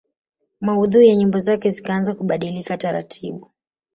Maudhui ya nyimbo zake zikaanza kubadilika taratibu